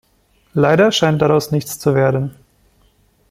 Leider scheint daraus nichts zu werden.